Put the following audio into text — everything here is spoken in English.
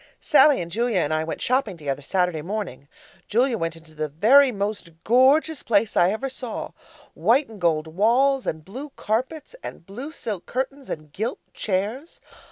Sallie and Julia and I went shopping together Saturday morning. Julia went into the very most gorgeous place I ever saw, white and gold walls and blue carpets and blue silk curtains and gilt chairs.